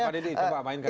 nah pak dedy coba apain kan